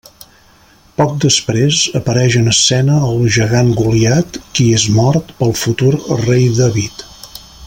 Poc després, apareix en escena el gegant Goliat qui és mort pel futur Rei David.